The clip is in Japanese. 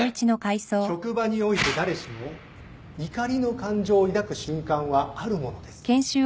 職場において誰しも怒りの感情を抱く瞬間はあるものです